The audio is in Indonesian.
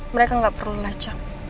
mereka gak perlu ngelacak